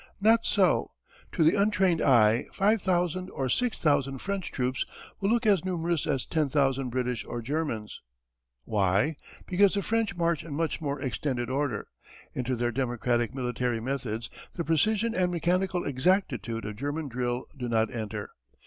Not so. To the untrained eye five thousand or six thousand French troops will look as numerous as ten thousand British or Germans. Why? Because the French march in much more extended order. Into their democratic military methods the precision and mechanical exactitude of German drill do not enter.